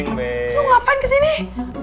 lo ngapain kesini